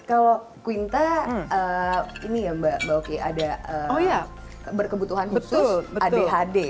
kalau quinta ini ya mbak oki ada berkebutuhan khusus adhd